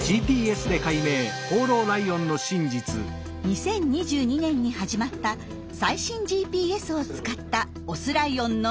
２０２２年に始まった最新ＧＰＳを使ったオスライオンの大調査。